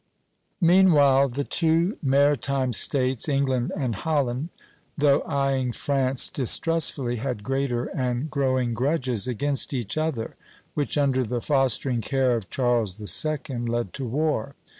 ] Meanwhile the two maritime States, England and Holland, though eying France distrustfully, had greater and growing grudges against each other, which under the fostering care of Charles II. led to war.